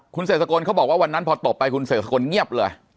คุณเศรษฐกลเขาบอกว่าวันนั้นพอตบไปคุณเสกสกลเงียบเลย